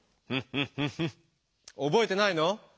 フッフッフッフおぼえてないの？